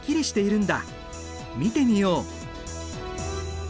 見てみよう。